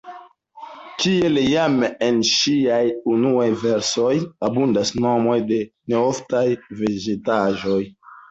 Kiel jam en ŝiaj unuaj versoj, abundas nomoj de neoftaj vegetaĵoj.